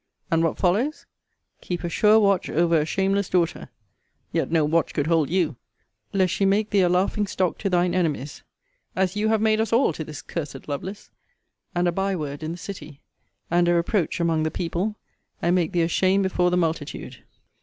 And what follows? 'Keep a sure watch over a shameless daughter [yet no watch could hold you!] lest she make thee a laughing stock to thine enemies [as you have made us all to this cursed Lovelace,] and a bye word in the city, and a reproach among the people, and make thee ashamed before the multitude.'